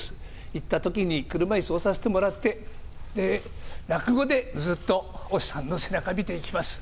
いったときに、車いす押させてもらって、落語でずっと、お師匠さんの背中見ていきます。